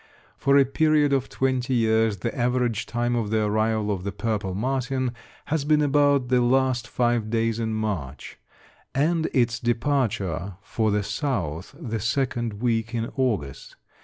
For a period of twenty years the average time of the arrival of the purple martin has been about the last five days in March; and its departure for the South the second week in August.